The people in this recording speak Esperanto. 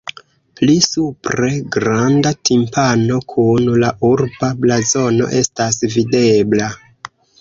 Pli supre granda timpano kun la urba blazono estas videbla.